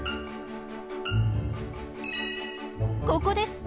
ここです！